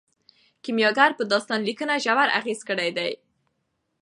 کیمیاګر په داستان لیکنه ژور اغیز کړی دی.